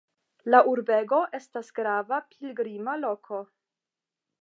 La urbego estas grava pilgrima loko.